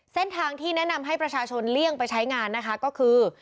เส้นทางที่แนะนำให้ประชาชนเลี่ยงไปใช้งานนะคะก็คือ